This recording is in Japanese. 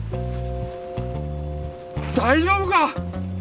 大丈夫か！？